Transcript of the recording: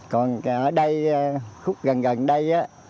còn ở đây khúc gần gần đây